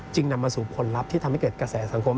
นำมาสู่ผลลัพธ์ที่ทำให้เกิดกระแสสังคม